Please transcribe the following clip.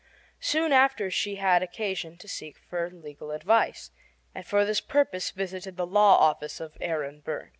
Soon after she had occasion to seek for legal advice, and for this purpose visited the law office of Aaron Burr.